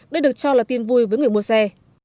đây được cho là tin vui với người mua xe